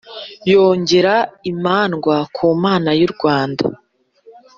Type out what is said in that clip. Yongera imandwa ku Mana y’ Rwanda.